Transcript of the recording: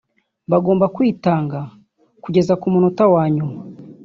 bagomba kwitanga kugeza ku munota wa nyuma